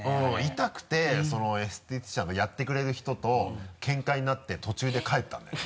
痛くてエステティシャンのやってくれる人とケンカになって途中で帰ったんだよね。